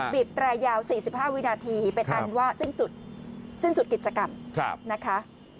แตรยาว๔๕วินาทีเป็นอันว่าสิ้นสุดสิ้นสุดกิจกรรมนะคะ